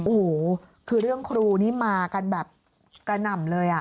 โอ้โหคือเรื่องครูนี่มากันแบบกระหน่ำเลย